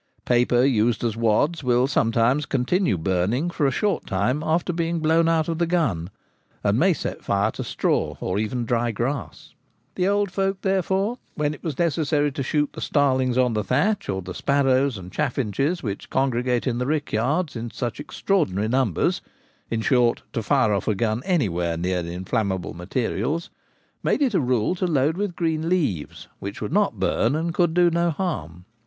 Paper used as wads will sometimes continue burning for a short time after being blown out of the gun, and may set fire to straw, or even dry grass. The old folk, therefore, when it was necessary to 202 The Gamekeeper at Home. shoot the starlings on the thatch, or the sparrows and chaffinches which congregate in the rickyards in such extraordinary numbers — in short, to fire off a gun anywhere near inflammable materials ^made it a rule to load with green leaves, which would not bunt and could do no harm.